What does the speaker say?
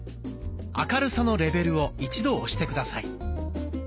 「明るさのレベル」を一度押して下さい。